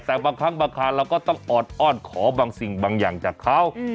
แต่บางครั้งบางครานเราก็ต้องออดอ้อนขอบางสิ่งบางอย่างจากเขา